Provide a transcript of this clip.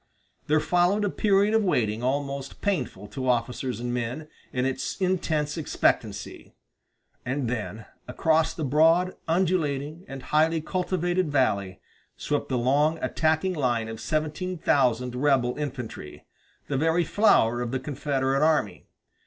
There followed a period of waiting almost painful to officers and men, in its intense expectancy; and then across the broad, undulating, and highly cultivated valley swept the long attacking line of seventeen thousand rebel infantry, the very flower of the Confederate army.